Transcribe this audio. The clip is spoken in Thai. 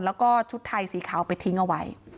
แล้วก็ชุดไทยสีขาวไปทิ้งเอาไว้